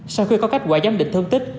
sau khi có kết quả giám định thương tích